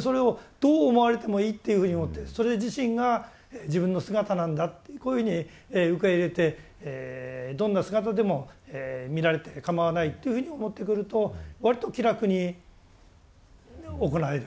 それをどう思われてもいいっていうふうに思ってそれ自身が自分の姿なんだってこういうふうに受け入れてどんな姿でも見られてかまわないというふうに思ってくるとわりと気楽に行える。